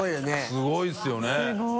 すごいですよね。